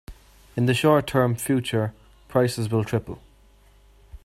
In the short term future, prices will triple.